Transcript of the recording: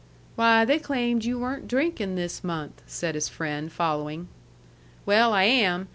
"Why, they claimed you weren't drinkin' this month!" said his friend, following. "Well, I am.